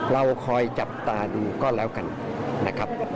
เราคอยจับตาดูก็แล้วกันนะครับ